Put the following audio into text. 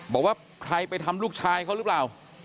บอกว่าใครไปทำลูกชายเขาหรือเปล่า